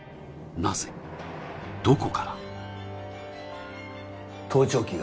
なぜどこから？